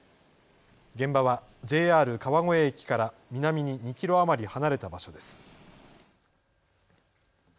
現場はＪＲ川越駅から南に２キロ余り離れた場所です。